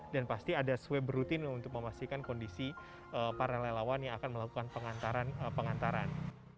dan pasti ada swab rutin untuk memastikan kondisi para relawan yang akan melakukan pengantaran